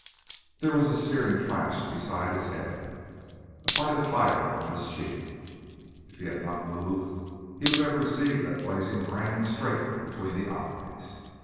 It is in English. There was a searing flash beside his head, the bite of fire on his cheek. If he had not moved, he would have received that blazing brand straight between the eyes.